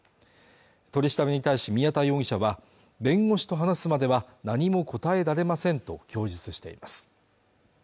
取り調べに対し宮田容疑者は弁護士と話すまでは何も答えられませんと供述しています